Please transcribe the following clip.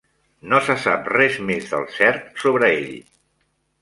No se sap res més del cert sobre ell.